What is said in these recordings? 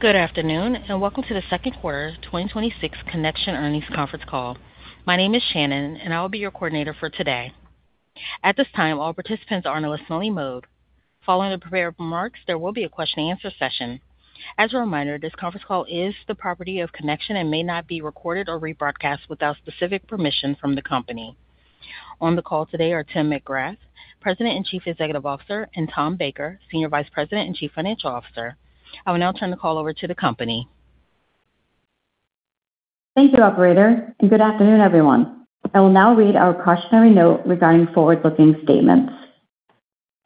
Good afternoon, welcome to the second quarter 2026 Connection Earnings Conference Call. My name is Shannon, I will be your coordinator for today. At this time, all participants are in a listening mode. Following the prepared remarks, there will be a question and answer session. As a reminder, this conference call is the property of Connection and may not be recorded or rebroadcast without specific permission from the company. On the call today are Tim McGrath, President and Chief Executive Officer, and Tom Baker, Senior Vice President and Chief Financial Officer. I will now turn the call over to the company. Thank you, operator, good afternoon, everyone. I will now read our cautionary note regarding forward-looking statements.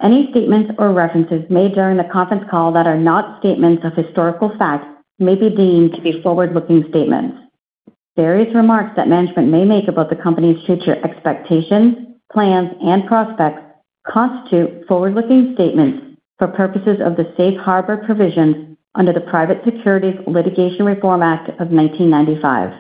Any statements or references made during the conference call that are not statements of historical fact may be deemed to be forward-looking statements. Various remarks that management may make about the company's future expectations, plans, and prospects constitute forward-looking statements for purposes of the safe harbor provisions under the Private Securities Litigation Reform Act of 1995.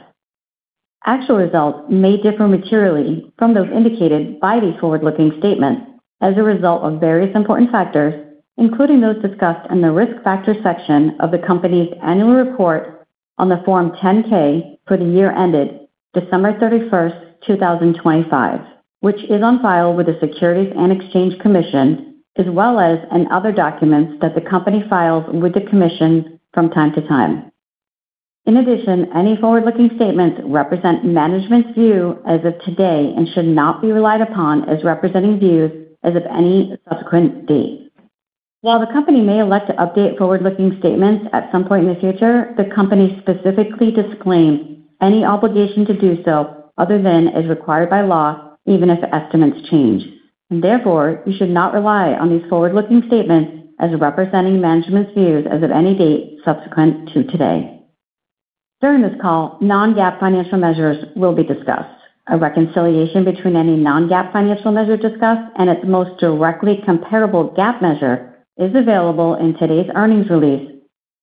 Actual results may differ materially from those indicated by these forward-looking statements as a result of various important factors, including those discussed in the risk factor section of the company's annual report on the Form 10-K for the year ended December 31st, 2025, which is on file with the Securities and Exchange Commission, as well as in other documents that the company files with the Commission from time to time. Any forward-looking statements represent management's view as of today and should not be relied upon as representing views as of any subsequent date. While the company may elect to update forward-looking statements at some point in the future, the company specifically disclaims any obligation to do so other than as required by law, even if estimates change. Therefore, you should not rely on these forward-looking statements as representing management's views as of any date subsequent to today. During this call, non-GAAP financial measures will be discussed. A reconciliation between any non-GAAP financial measure discussed and its most directly comparable GAAP measure is available in today's earnings release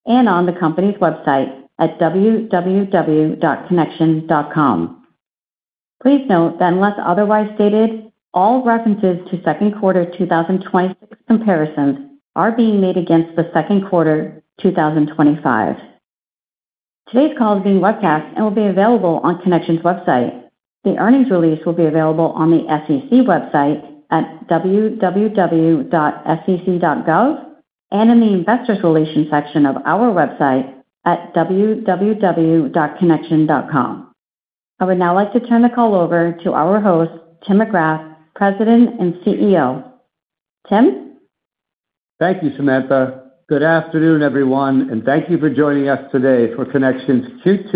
and on the company's website at www.connection.com. Please note that unless otherwise stated, all references to second quarter 2026 comparisons are being made against the second quarter 2025. Today's call is being webcast and will be available on Connection's website. The earnings release will be available on the SEC website at www.sec.gov and in the investors relation section of our website at www.connection.com. I would now like to turn the call over to our host, Tim McGrath, President and CEO. Tim? Thank you, Samantha. Good afternoon, everyone. Thank you for joining us today for Connection's Q2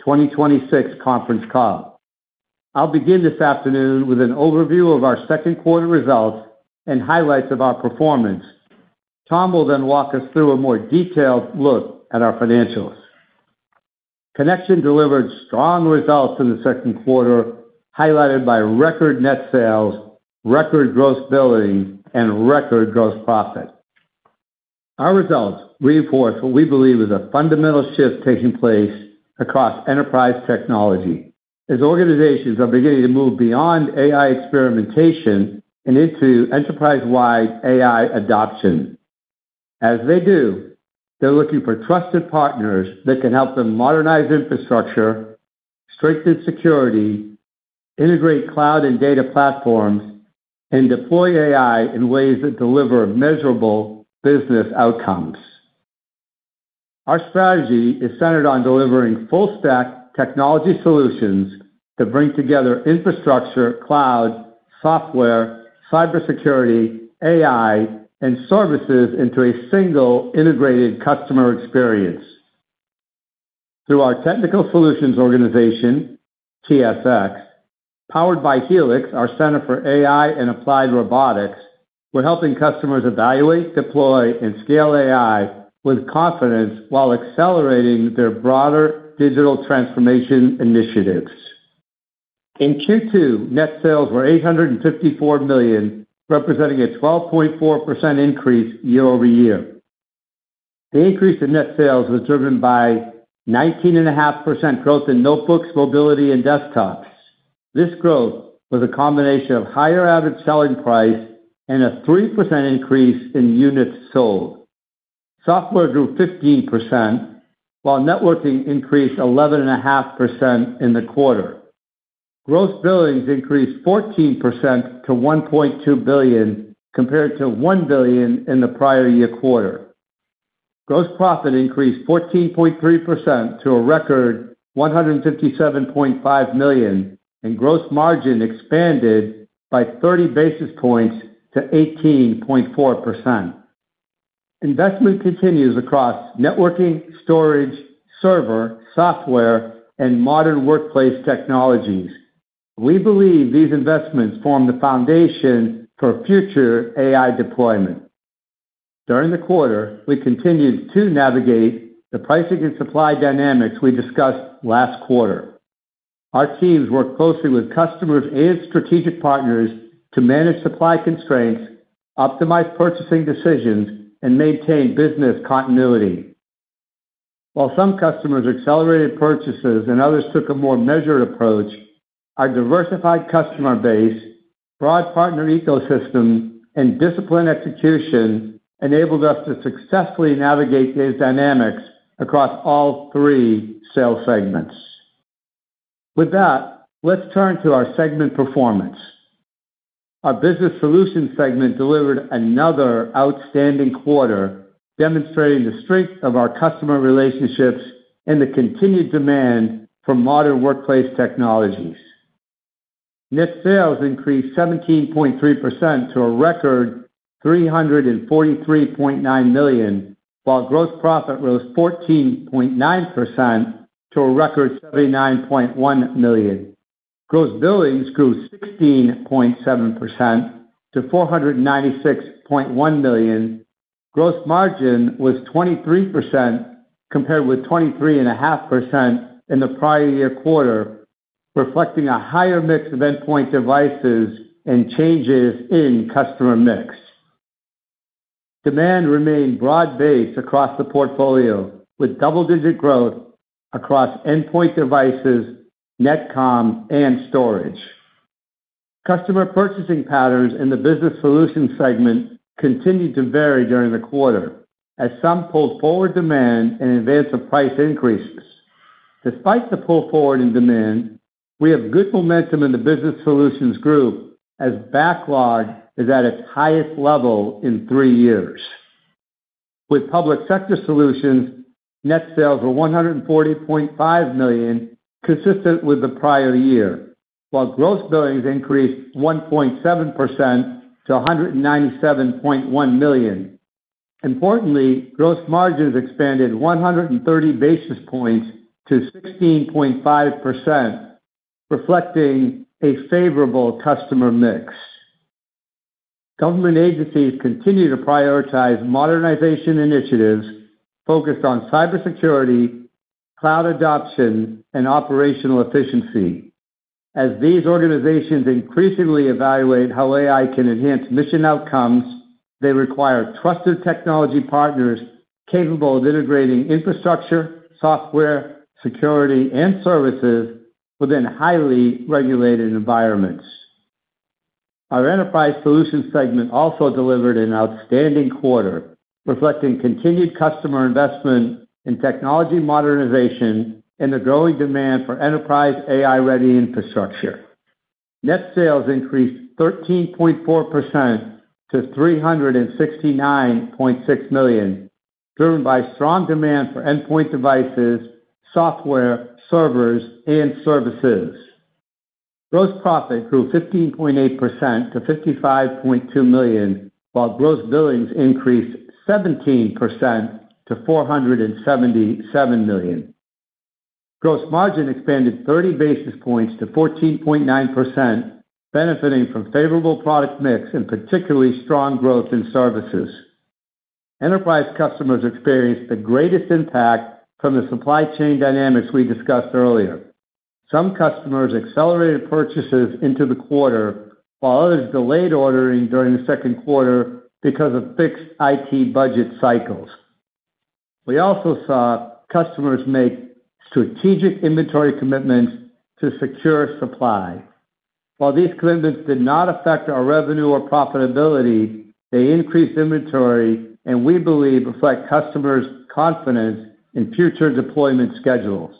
2026 conference call. I'll begin this afternoon with an overview of our second quarter results and highlights of our performance. Tom will walk us through a more detailed look at our financials. Connection delivered strong results in the second quarter, highlighted by record net sales, record gross billings, and record gross profit. Our results reinforce what we believe is a fundamental shift taking place across enterprise technology, as organizations are beginning to move beyond AI experimentation and into enterprise-wide AI adoption. As they do, they are looking for trusted partners that can help them modernize infrastructure, strengthen security, integrate cloud and data platforms, and deploy AI in ways that deliver measurable business outcomes. Our strategy is centered on delivering full stack technology solutions that bring together infrastructure, cloud, software, cybersecurity, AI, and services into a single integrated customer experience. Through our technical solutions organization, TSX, powered by Helix, our center for AI and applied robotics, we are helping customers evaluate, deploy, and scale AI with confidence while accelerating their broader digital transformation initiatives. In Q2, net sales were $854 million, representing a 12.4% increase year-over-year. The increase in net sales was driven by 19.5% growth in notebooks, mobility, and desktops. This growth was a combination of higher average selling price and a 3% increase in units sold. Software grew 15%, while networking increased 11.5% in the quarter. Gross billings increased 14% to $1.2 billion, compared to $1 billion in the prior year quarter. Gross profit increased 14.3% to a record $157.5 million. Gross margin expanded by 30 basis points to 18.4%. Investment continues across networking, storage, server, software, and modern workplace technologies. We believe these investments form the foundation for future AI deployment. During the quarter, we continued to navigate the pricing and supply dynamics we discussed last quarter. Our teams work closely with customers and strategic partners to manage supply constraints, optimize purchasing decisions, and maintain business continuity. While some customers accelerated purchases and others took a more measured approach. Our diversified customer base, broad partner ecosystem, and disciplined execution enabled us to successfully navigate these dynamics across all three sales segments. With that, let's turn to our segment performance. Our Business Solutions segment delivered another outstanding quarter, demonstrating the strength of our customer relationships and the continued demand for modern workplace technologies. Net sales increased 17.3% to a record $343.9 million, while gross profit rose 14.9% to a record $ [inaudible] 9.1 million. Gross billings grew 16.7% to $496.1 million. Gross margin was 23%, compared with 23.5% in the prior year quarter, reflecting a higher mix of endpoint devices and changes in customer mix. Demand remained broad-based across the portfolio, with double-digit growth across endpoint devices, net com, and storage. Customer purchasing patterns in the Business Solutions segment continued to vary during the quarter as some pulled forward demand in advance of price increases. Despite the pull forward in demand, we have good momentum in the Business Solutions group as backlog is at its highest level in three years. With Public Sector Solutions, net sales were $140.5 million, consistent with the prior year, while gross billings increased 1.7% to $197.1 million. Importantly, gross margins expanded 130 basis points to 16.5%, reflecting a favorable customer mix. Government agencies continue to prioritize modernization initiatives focused on cybersecurity, cloud adoption, and operational efficiency. As these organizations increasingly evaluate how AI can enhance mission outcomes, they require trusted technology partners capable of integrating infrastructure, software, security, and services within highly regulated environments. Our Enterprise Solutions segment also delivered an outstanding quarter, reflecting continued customer investment in technology modernization and the growing demand for enterprise AI-ready infrastructure. Net sales increased 13.4% to $369.6 million, driven by strong demand for endpoint devices, software, servers, and services. Gross profit grew 15.8% to $55.2 million, while gross billings increased 17% to $477 million. Gross margin expanded 30 basis points to 14.9%, benefiting from favorable product mix and particularly strong growth in services. Enterprise customers experienced the greatest impact from the supply chain dynamics we discussed earlier. Some customers accelerated purchases into the quarter, while others delayed ordering during the second quarter because of fixed IT budget cycles. We also saw customers make strategic inventory commitments to secure supply. While these commitments did not affect our revenue or profitability, they increased inventory and we believe reflect customers' confidence in future deployment schedules.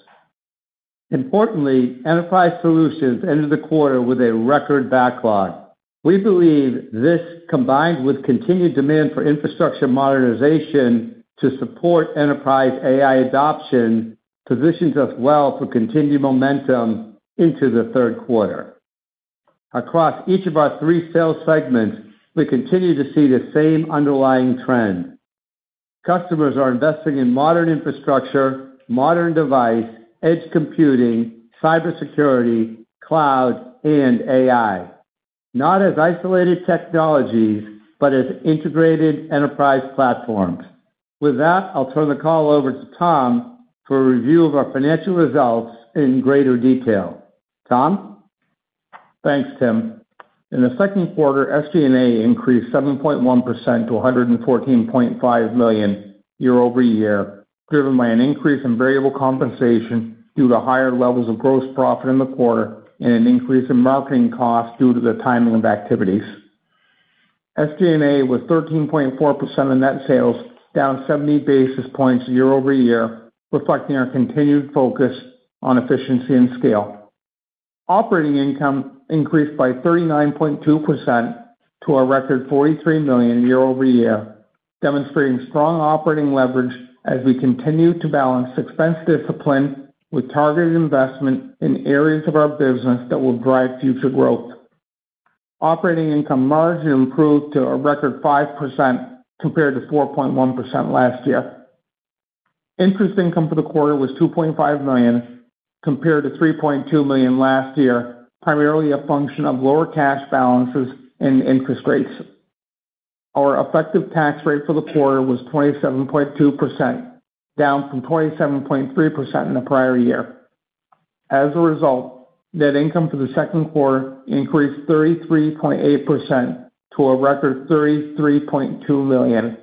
Importantly, Enterprise Solutions ended the quarter with a record backlog. We believe this, combined with continued demand for infrastructure modernization to support enterprise AI adoption, positions us well for continued momentum into the third quarter. Across each of our three sales segments, we continue to see the same underlying trend. Customers are investing in modern infrastructure, modern device, edge computing, cybersecurity, cloud, and AI, not as isolated technologies, but as integrated enterprise platforms. With that, I'll turn the call over to Tom for a review of our financial results in greater detail. Tom? Thanks, Tim. In the second quarter, SG&A increased 7.1% to $114.5 million year-over-year, driven by an increase in variable compensation due to higher levels of gross profit in the quarter and an increase in marketing costs due to the timing of activities. SG&A was 13.4% of net sales, down 70 basis points year-over-year, reflecting our continued focus on efficiency and scale. Operating income increased by 39.2% to a record $43 million year-over-year, demonstrating strong operating leverage as we continue to balance expense discipline with targeted investment in areas of our business that will drive future growth. Operating income margin improved to a record 5% compared to 4.1% last year. Interest income for the quarter was $2.5 million compared to $3.2 million last year, primarily a function of lower cash balances and interest rates. Our effective tax rate for the quarter was 27.2%, down from 27.3% in the prior year. As a result, net income for the second quarter increased 33.8% to a record $33.2 million,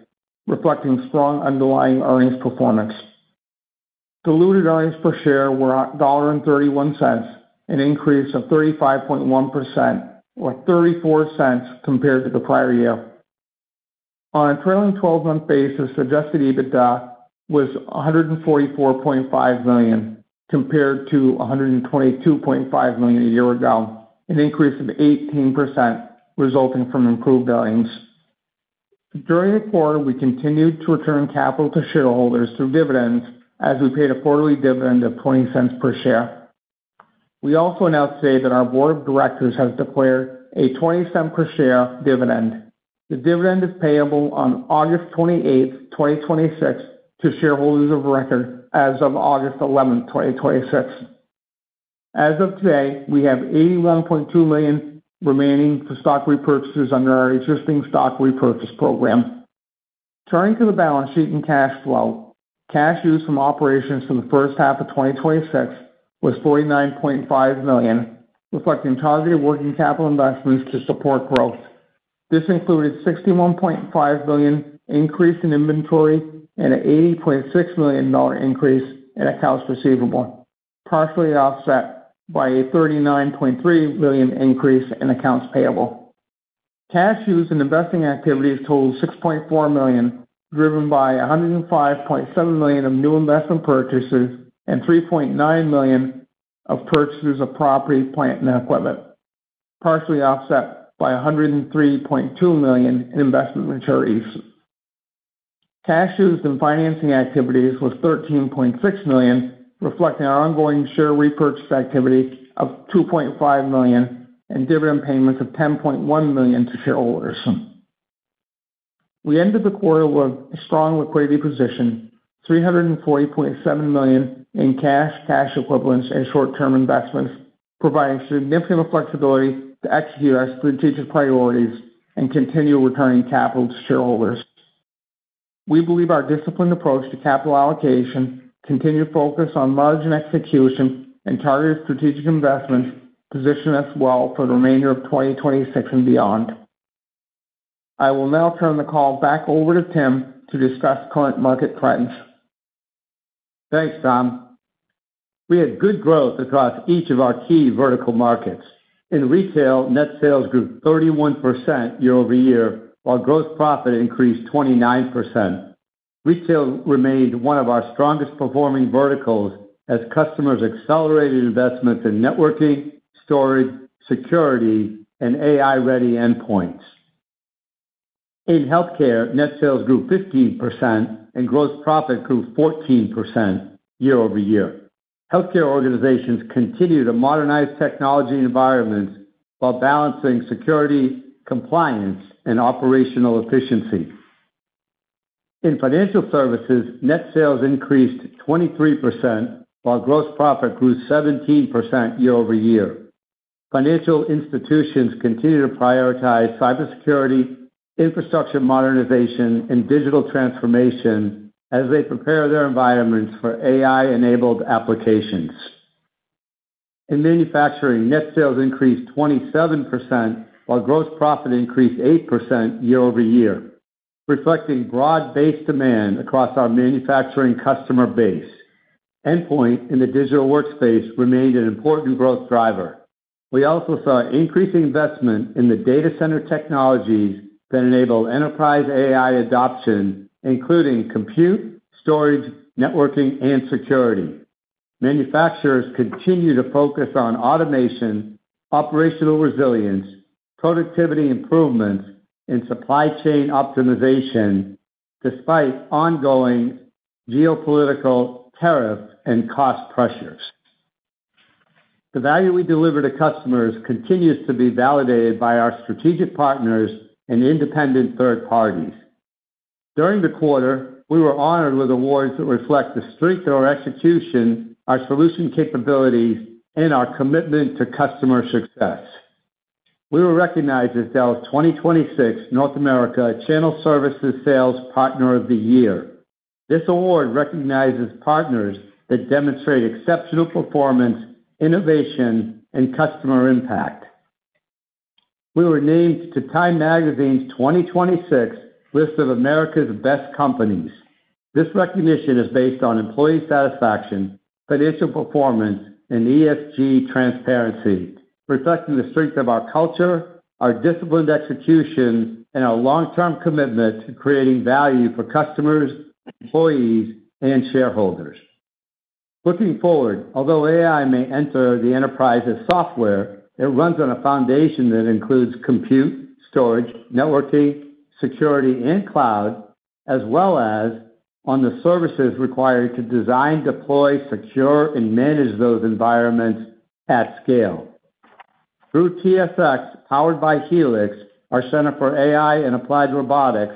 reflecting strong underlying earnings performance. Diluted earnings per share were $1.31, an increase of 35.1%, or $0.34 compared to the prior year. On a trailing 12-month basis, adjusted EBITDA was $144.5 million, compared to $122.5 million a year ago, an increase of 18%, resulting from improved earnings. During the quarter, we continued to return capital to shareholders through dividends, as we paid a quarterly dividend of $0.20 per share. We also announced today that our board of directors has declared a $0.20 per share dividend. The dividend is payable on August 28th, 2026, to shareholders of record as of August 11th, 2026. As of today, we have $81.2 million remaining for stock repurchases under our existing stock repurchase program. Turning to the balance sheet and cash flow. Cash used from operations for the first half of 2026 was $49.5 million, reflecting targeted working capital investments to support growth. This included $61.5 million increase in inventory and a $80.6 million increase in accounts receivable, partially offset by a $39.3 million increase in accounts payable. Cash used in investing activities totaled $6.4 million, driven by $105.7 million of new investment purchases and $3.9 million of purchases of property, plant, and equipment, partially offset by $103.2 million in investment maturities. Cash used in financing activities was $13.6 million, reflecting our ongoing share repurchase activity of $2.5 million and dividend payments of $10.1 million to shareholders. We ended the quarter with a strong liquidity position, $340.7 million in cash equivalents, and short-term investments, providing significant flexibility to execute our strategic priorities and continue returning capital to shareholders. We believe our disciplined approach to capital allocation, continued focus on margin execution, and targeted strategic investments position us well for the remainder of 2026 and beyond. I will now turn the call back over to Tim to discuss current market trends. Thanks, Tom. We had good growth across each of our key vertical markets. In retail, net sales grew 31% year-over-year, while gross profit increased 29%. Retail remained one of our strongest performing verticals as customers accelerated investment in networking, storage, security, and AI-ready endpoints. In healthcare, net sales grew 15%, and gross profit grew 14% year-over-year. Healthcare organizations continue to modernize technology environments while balancing security, compliance, and operational efficiency. In financial services, net sales increased 23%, while gross profit grew 17% year-over-year. Financial institutions continue to prioritize cybersecurity, infrastructure modernization, and digital transformation as they prepare their environments for AI-enabled applications. In manufacturing, net sales increased 27%, while gross profit increased 8% year-over-year, reflecting broad-based demand across our manufacturing customer base. Endpoint in the digital workspace remained an important growth driver. We also saw increasing investment in the data center technologies that enable enterprise AI adoption, including compute, storage, networking, and security. Manufacturers continue to focus on automation, operational resilience, productivity improvements, and supply chain optimization despite ongoing geopolitical tariffs and cost pressures. The value we deliver to customers continues to be validated by our strategic partners and independent third parties. During the quarter, we were honored with awards that reflect the strength of our execution, our solution capabilities, and our commitment to customer success. We were recognized as Dell's 2026 North America Channel Services Sales Partner of the Year. This award recognizes partners that demonstrate exceptional performance, innovation, and customer impact. We were named to Time magazine's 2026 list of America's Best Companies. This recognition is based on employee satisfaction, financial performance, and ESG transparency, reflecting the strength of our culture, our disciplined execution, and our long-term commitment to creating value for customers, employees, and shareholders. Looking forward, although AI may enter the enterprise as software, it runs on a foundation that includes compute, storage, networking, security, and cloud, as well as on the services required to design, deploy, secure, and manage those environments at scale. Through TSX, powered by Helix, our center for AI and applied robotics,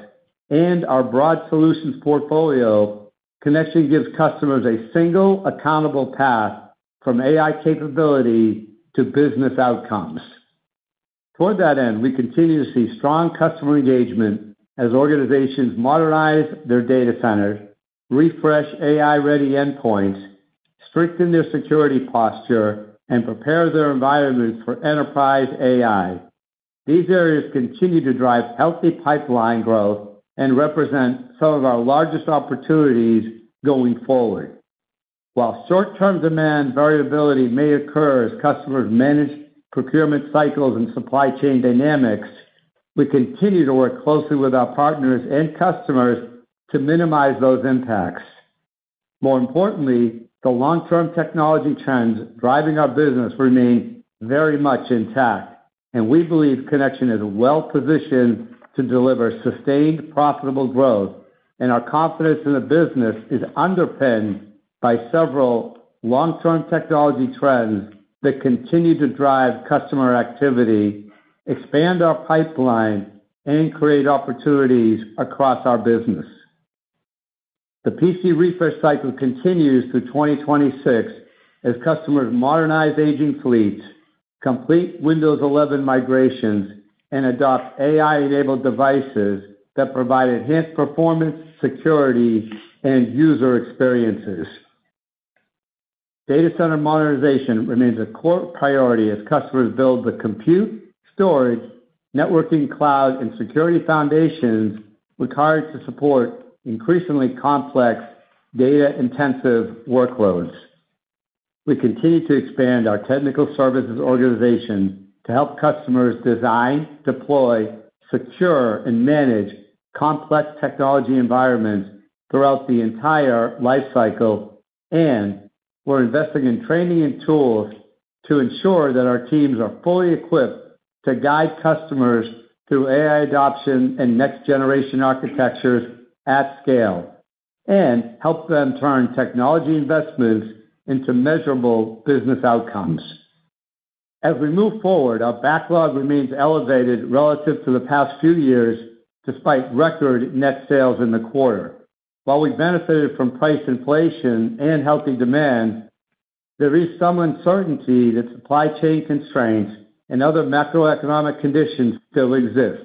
and our broad solutions portfolio, Connection gives customers a single accountable path from AI capability to business outcomes. Toward that end, we continue to see strong customer engagement as organizations modernize their data centers, refresh AI-ready endpoints, strengthen their security posture, and prepare their environment for enterprise AI. These areas continue to drive healthy pipeline growth and represent some of our largest opportunities going forward. While short-term demand variability may occur as customers manage procurement cycles and supply chain dynamics, we continue to work closely with our partners and customers to minimize those impacts. More importantly, the long-term technology trends driving our business remain very much intact, and we believe Connection is well-positioned to deliver sustained, profitable growth. Our confidence in the business is underpinned by several long-term technology trends that continue to drive customer activity, expand our pipeline, and create opportunities across our business. The PC refresh cycle continues through 2026 as customers modernize aging fleets, complete Windows 11 migrations, and adopt AI-enabled devices that provide enhanced performance, security, and user experiences. Data center modernization remains a core priority as customers build the compute, storage, networking, cloud, and security foundations required to support increasingly complex data-intensive workloads. We continue to expand our technical services organization to help customers design, deploy, secure, and manage complex technology environments throughout the entire life cycle. We're investing in training and tools to ensure that our teams are fully equipped to guide customers through AI adoption and next-generation architectures at scale, and help them turn technology investments into measurable business outcomes. As we move forward, our backlog remains elevated relative to the past few years, despite record net sales in the quarter. While we benefited from price inflation and healthy demand, there is some uncertainty that supply chain constraints and other macroeconomic conditions still exist.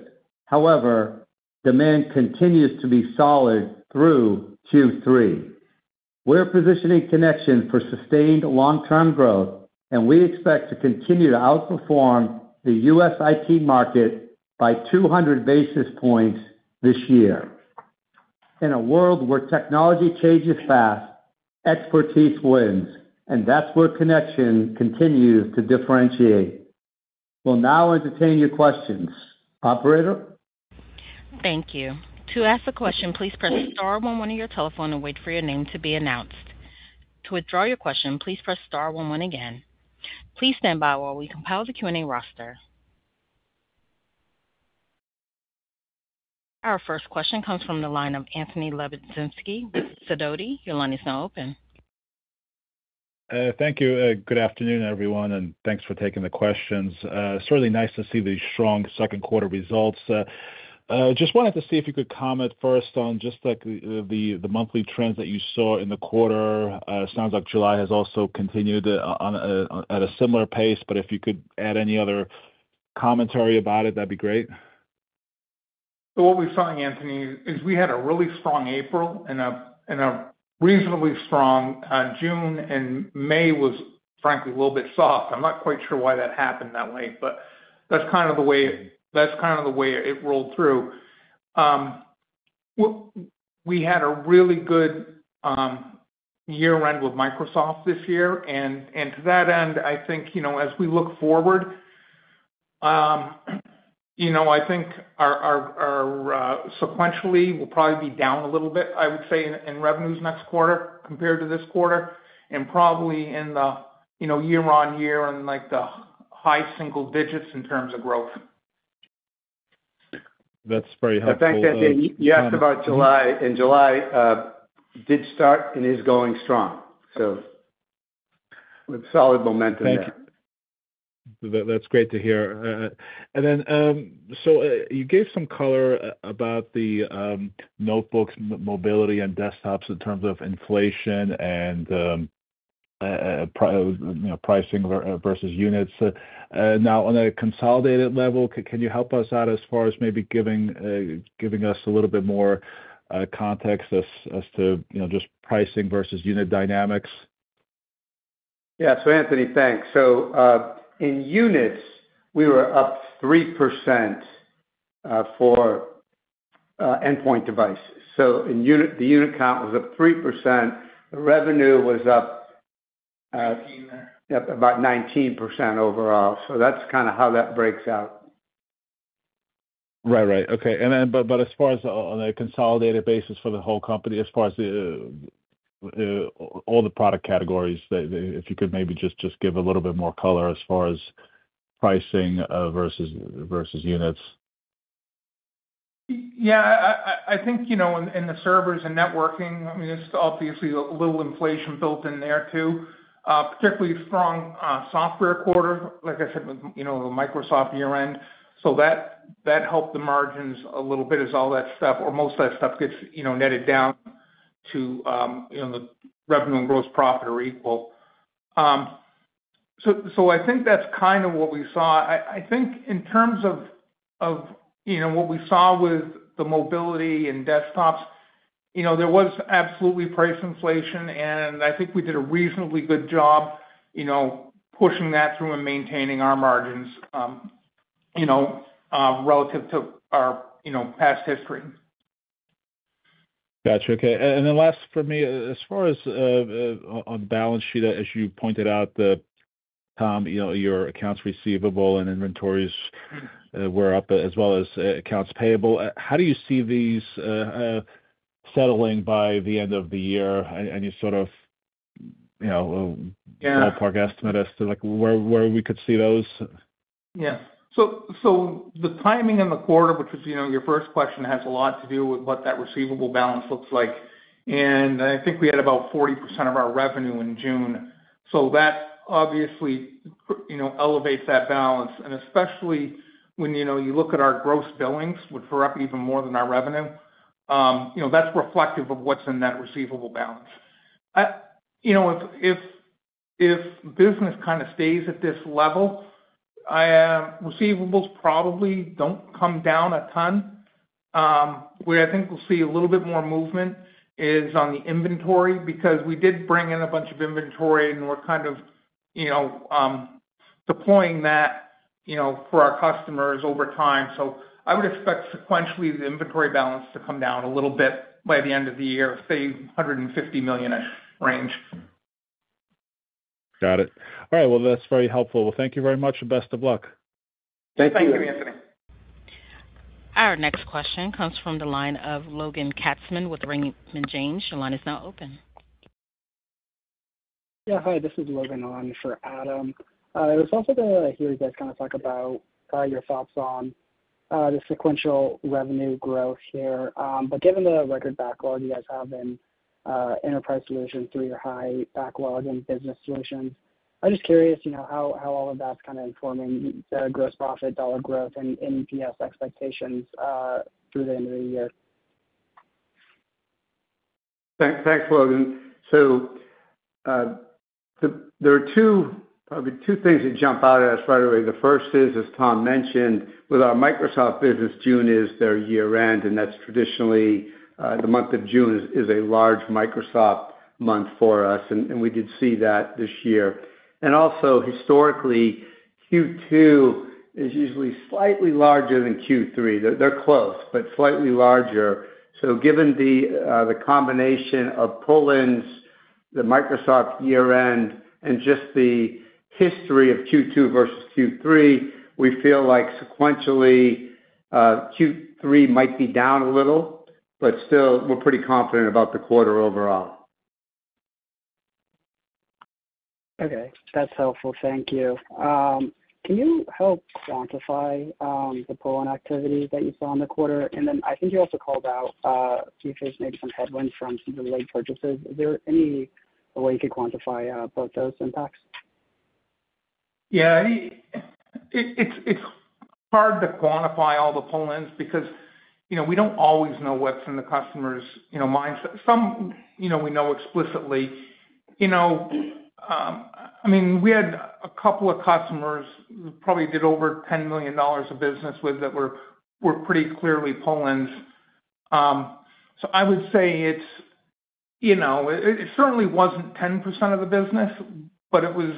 However, demand continues to be solid through Q3. We're positioning Connection for sustained long-term growth, and we expect to continue to outperform the U.S. IT market by 200 basis points this year. In a world where technology changes fast, expertise wins, and that's where Connection continues to differentiate. We'll now entertain your questions. Operator? Thank you. To ask a question, please press star one one on your telephone and wait for your name to be announced. To withdraw your question, please press star one one again. Please stand by while we compile the Q&A roster. Our first question comes from the line of Anthony Lebiedzinski with Sidoti. Your line is now open. Thank you. Good afternoon, everyone. Thanks for taking the questions. Certainly nice to see these strong second quarter results. Just wanted to see if you could comment first on just the monthly trends that you saw in the quarter. Sounds like July has also continued at a similar pace. If you could add any other commentary about it, that'd be great. What we're seeing, Anthony, is we had a really strong April and a reasonably strong June. May was, frankly, a little bit soft. I'm not quite sure why that happened that way. That's kind of the way it rolled through. We had a really good year-end with Microsoft this year. To that end, I think as we look forward, I think sequentially, we'll probably be down a little bit, I would say, in revenues next quarter compared to this quarter, and probably in the year-on-year in the high single digits in terms of growth. That's very helpful. The fact that you asked about July. In July, did start and is going strong. We have solid momentum there. Thank you. That's great to hear. You gave some color about the notebooks, mobility, and desktops in terms of inflation and pricing versus units. On a consolidated level, can you help us out as far as maybe giving us a little bit more context as to just pricing versus unit dynamics? Anthony, thanks. In units, we were up 3% for endpoint devices. The unit count was up 3%. Revenue was up. [inaudible] Yep, about 19% overall. That's kind of how that breaks out. Right. Okay. As far as on a consolidated basis for the whole company, as far as all the product categories, if you could maybe just give a little bit more color as far as pricing versus units. Yeah. I think in the servers and networking, there's obviously a little inflation built in there too. Particularly strong software quarter, like I said with Microsoft year-end. That helped the margins a little bit as all that stuff, or most of that stuff gets netted down to the revenue and gross profit are equal. I think that's kind of what we saw. I think in terms of what we saw with the mobility and desktops, there was absolutely price inflation, and I think we did a reasonably good job pushing that through and maintaining our margins relative to our past history. Got you. Okay. Then last for me, as far as on balance sheet, as you pointed out, Tom, your accounts receivable and inventories were up as well as accounts payable. How do you see these settling by the end of the year? Any sort of. Yeah. Ballpark estimate as to where we could see those? The timing in the quarter, which was your first question, has a lot to do with what that receivable balance looks like. I think we had about 40% of our revenue in June. That obviously elevates that balance, and especially when you look at our gross billings, which were up even more than our revenue. That's reflective of what's in that receivable balance. If business kind of stays at this level, receivables probably don't come down a ton. Where I think we'll see a little bit more movement is on the inventory, because we did bring in a bunch of inventory, and we're kind of deploying that for our customers over time. I would expect sequentially the inventory balance to come down a little bit by the end of the year, say, $150 million-ish range. Got it. All right. Well, that's very helpful. Well, thank you very much, and best of luck. Thank you. Thank you, Anthony. Our next question comes from the line of Logan Katzman with Raymond James. Your line is now open. Yeah. Hi, this is Logan on for Adam. I was also going to hear you guys kind of talk about your thoughts on the sequential revenue growth here. Given the record backlog you guys have in Enterprise Solutions through your high backlog in Business Solutions, I'm just curious, how all of that's kind of informing the gross profit dollar growth and EPS expectations through the end of the year. Thanks, Logan. There are probably two things that jump out at us right away. The first is, as Tom mentioned, with our Microsoft business, June is their year-end, and that's traditionally the month of June is a large Microsoft month for us, and we did see that this year. Also historically, Q2 is usually slightly larger than Q3. They're close, but slightly larger. Given the combination of pull-ins, the Microsoft year-end, and just the history of Q2 versus Q3, we feel like sequentially, Q3 might be down a little, but still we're pretty confident about the quarter overall. Okay. That's helpful. Thank you. Can you help quantify the pull-in activity that you saw in the quarter? Then I think you also called out futures, maybe some headwinds from some of the late purchases. Is there any way you could quantify both those impacts? Yeah. It's hard to quantify all the pull-ins because we don't always know what's in the customer's mindset. Some we know explicitly. We had a couple of customers, probably did over $10 million of business with that were pretty clearly pull-ins. I would say it certainly wasn't 10% of the business, but it was,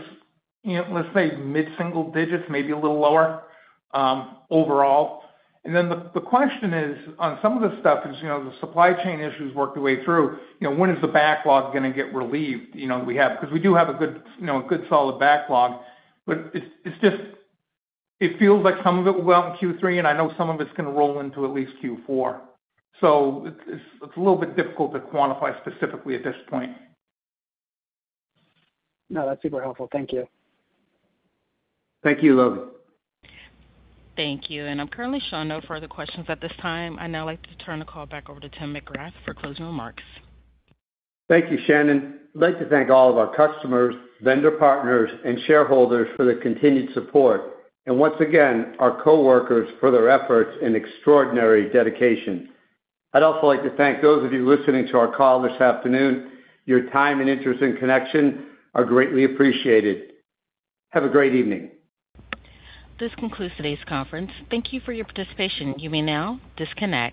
let's say, mid-single digits, maybe a little lower overall. The question is, on some of this stuff, as the supply chain issues work their way through, when is the backlog going to get relieved? Because we do have a good, solid backlog, but it feels like some of it will in Q3, and I know some of it's going to roll into at least Q4. It's a little bit difficult to quantify specifically at this point. No, that's super helpful. Thank you. Thank you, Logan. Thank you. I'm currently showing no further questions at this time. I'd now like to turn the call back over to Tim McGrath for closing remarks. Thank you, Shannon. I'd like to thank all of our customers, vendor partners, and shareholders for their continued support. Once again, our coworkers for their efforts and extraordinary dedication. I'd also like to thank those of you listening to our call this afternoon. Your time and interest in Connection are greatly appreciated. Have a great evening. This concludes today's conference. Thank you for your participation. You may now disconnect.